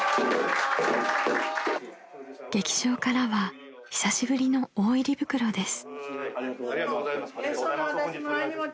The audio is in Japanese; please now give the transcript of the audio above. ［劇場からは久しぶりの大入り袋です］